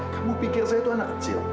kamu pikir saya itu anak kecil